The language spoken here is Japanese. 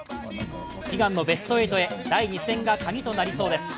悲願のベスト８へ第２戦がカギとなりそうです。